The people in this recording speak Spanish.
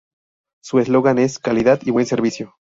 Su eslogan es "Calidad y buen servicio.